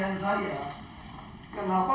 logika saya secara mati matian